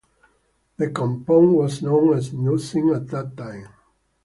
The compound was known as nucin at that time.